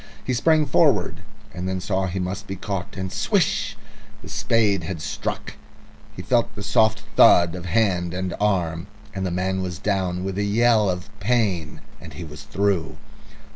He sprang forward, and then saw he must be caught, and swish! the spade had struck. He felt the soft thud of hand and arm, and the man was down with a yell of pain, and he was through.